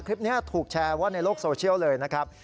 คลิปนี้ถูกแชร์ว่าในโลกโซเชียลเลยนะครับ